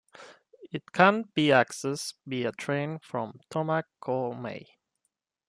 It can be accessed via train from Tomakomai.